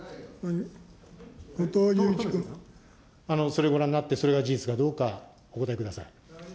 それご覧になって、それが事実かどうかお答えください。